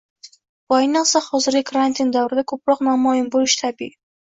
Bu, ayniqsa, hozirgi karantin davrida ko’proq namoyon bo’lishi tabiiy